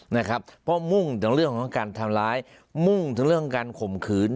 นะครับเพราะมุ่งจากเรื่องของการทำร้ายมุ่งถึงเรื่องการข่มขืน